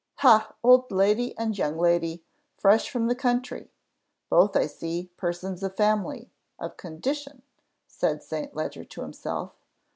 "Ha! old lady and young lady, fresh from the country. Both, I see, persons of family of condition," said St. Leger to himself.